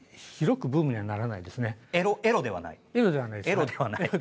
エロではない。